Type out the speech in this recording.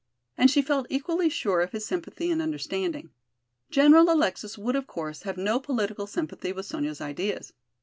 And she felt equally sure of his sympathy and understanding. General Alexis would, of course, have no political sympathy with Sonya's ideas.